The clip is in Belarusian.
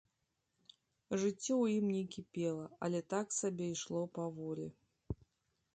Жыццё ў ім не кіпела, але так сабе ішло паволі.